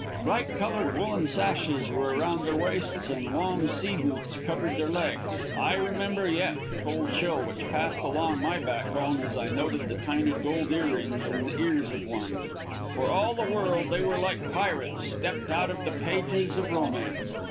Bright colored woolen sashes were around their waists, and long sea boots covered their legs. I remember yet the cold chill which passed along my backbone as I noted the tiny gold ear rings in the ears of one. For all the world they were like pirates stepped out of the pages of romance.